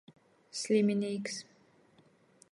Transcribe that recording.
Sliminīks.